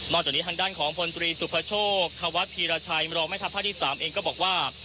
จากนี้ทางด้านของพลตรีสุภโชคธวัฒน์พีรชัยมรองแม่ทัพภาคที่๓เองก็บอกว่า